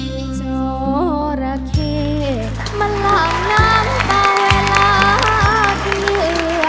มันหลังน้ำตาไว้รักเหนือ